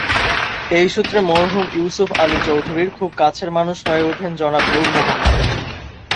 এই সূত্রে মরহুম ইউসুফ আলী চৌধুরীর খুব কাছের মানুষ হয়ে উঠেন জনাব নূর মোহাম্মদ।